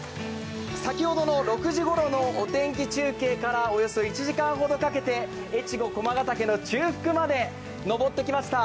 先ほどの６時ごろのお天気中継からおよそ１時間ほどかけて越後駒ヶ岳の中腹まで登ってきました。